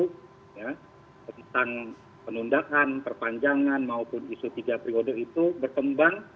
tentang penundaan perpanjangan maupun isu tiga periode itu berkembang